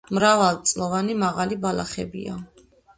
მრავალწლოვანი მაღალი ბალახებია.